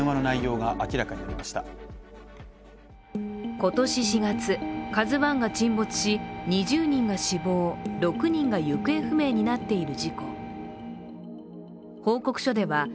今年４月、「ＫＡＺＵⅠ」が沈没し、２０人が死亡６人が行方不明になっている事故。